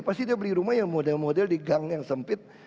pasti dia beli rumah yang model model di gang yang sempit